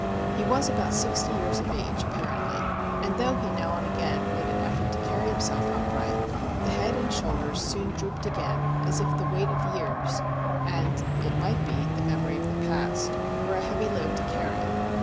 He was about sixty years of age, apparently; and though he now and again made an effort to carry himself upright, the head and shoulders soon drooped again, as if the weight of years, and, it might be, the memory of the past, were a heavy load to carry.